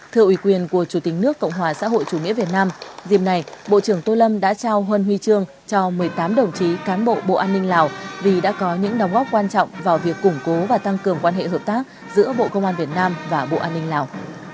thưa ủy quyền của chủ tịch nước cộng hòa xã hội chủ nghĩa việt nam dìm này bộ trưởng tô lâm đã trao huân huy trương cho một mươi tám đồng chí cán bộ bộ an ninh lào vì đã có những đóng góp quan trọng vào việc củng cố và tăng cường quan hệ hợp tác giữa bộ công an việt nam và bộ an ninh lào